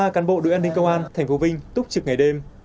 một mươi ba cán bộ đội an ninh công an thành phố vinh túc trực ngày đêm